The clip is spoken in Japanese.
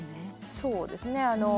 そうですね。